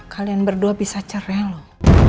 kalian berdua bisa cerai loh